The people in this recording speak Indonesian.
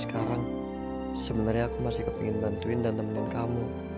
sekarang sebenarnya aku masih kepengen bantuin dan nemenin kamu